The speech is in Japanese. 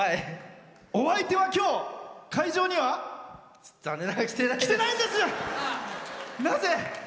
お相手は今日、会場には？残念ながら来てないです。